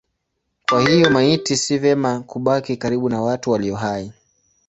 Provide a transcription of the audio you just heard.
Kwa hiyo maiti si vema kubaki karibu na watu walio hai.